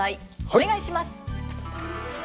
お願いします。